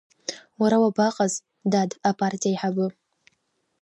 Уара уабаҟаз, дад, апартиа аиҳабы?